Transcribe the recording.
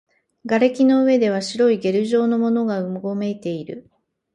瓦礫の上では白いゲル状のものがうごめいている